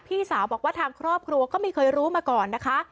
พี่สาวบอกว่าทางครอบครัวก็ไม่เคยรู้มาก่อนนะคะ